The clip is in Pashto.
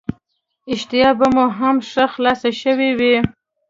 اشتها به مو هم ښه خلاصه شوې وي.